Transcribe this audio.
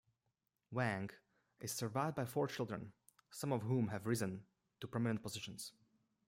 Wang is survived by four children, some of whom have risen to prominent positions.